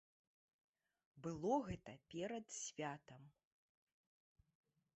Было гэта перад святам.